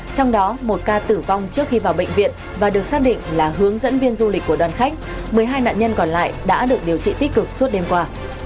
trong đó một ca tử vong trước khi vào bệnh viện và được xác định là hướng dẫn viên du lịch của đoàn khách một mươi hai nạn nhân còn lại đã được điều trị tích cực suốt đêm qua